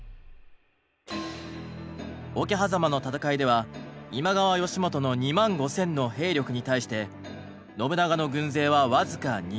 桶狭間の戦いでは今川義元の２万５，０００の兵力に対して信長の軍勢は僅か２，０００でした。